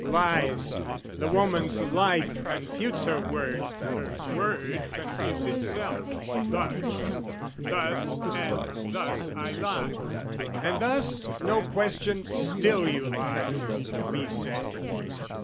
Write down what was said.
Lies! The woman's life confutes her word, her word Confutes itself: "Thus, thus and thus I lied." "And thus, no question, still you lie," we say.